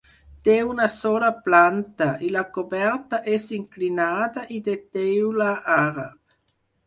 Té una sola planta; i la coberta és inclinada i de teula àrab.